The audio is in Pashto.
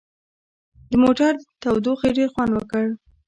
د موټر تودوخې ډېر خوند وکړ.